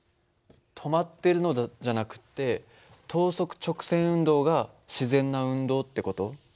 止まってるのじゃなくて等速直線運動が自然な運動って事？